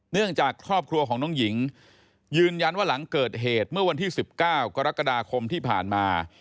เนื่องจากครอบครัวของน้องหญิงยืนยันว่าหลังเกิดเหตุเมื่อวันที่๑๙กรกฎาคมที่ผ่านมา